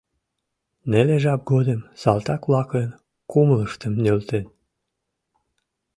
Неле жап годым салтак-влакын кумылыштым нӧлтен...